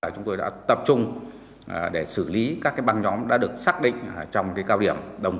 công an tp biên hòa đã bắt giữ một nhóm bảy đối tượng do nguyễn văn út